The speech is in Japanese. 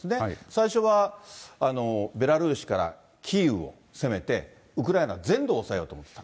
最初はベラルーシからキーウを攻めて、ウクライナ全土を押さえようと思ってた。